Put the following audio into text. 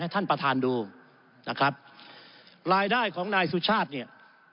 ท่านประธานดูนะครับรายได้ของนายสุชาติเนี่ย